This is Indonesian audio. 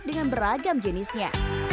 dengan beragam jenisnya